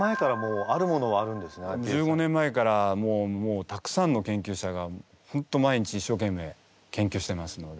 １５年前からもうたくさんの研究者がホント毎日一生懸命研究してますので。